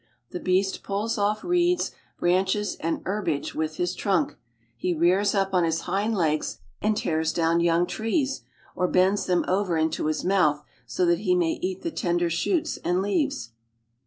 The beast pulls off reeds, branches, and herbage with his trunk. He rears up on his hind legs and tears down young trees, or bends them over into his mouth so that he may eat the sender shoots and leaves.